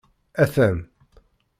Atan!